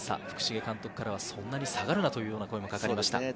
福重監督からはそんなの下がるなという声もかかりました。